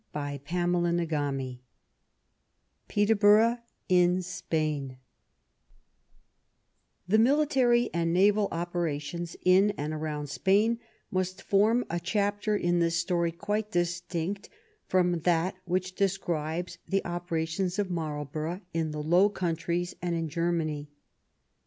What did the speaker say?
CHAPTER Vin PBTSRBOBOnOH IN BPAIK The military and naval operations in and around Spain must form a chapter in this story quite distinct from that which describes the operations of Marlbor ough in the Low Countries and in Germany.